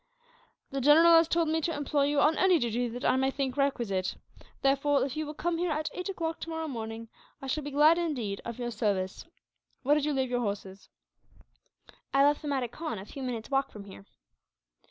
The general has told me to employ you on any duty that I may think requisite; therefore, if you will come here at eight o'clock tomorrow morning, I shall be glad, indeed, of your services. Where did you leave your horses?" "I left them at a khan, a few minutes' walk from here."